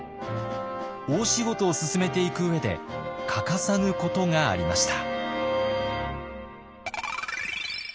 大仕事を進めていく上で欠かさぬことがありました。